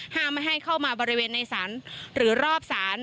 ห้ามให้เข้ามาบริเวณในสรรค์หรือรอบสรรค์